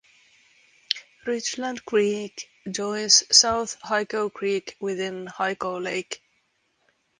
Richland Creek joins South Hyco Creek within Hyco Lake.